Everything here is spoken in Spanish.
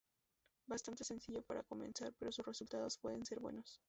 Bastante sencillo para comenzar pero sus resultados pueden ser buenos.